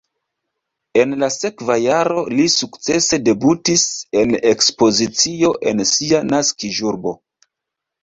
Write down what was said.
En la sekva jaro li sukcese debutis en ekspozicio en sia naskiĝurbo.